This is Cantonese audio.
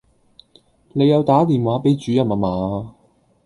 你有打電話畀主任吖嗎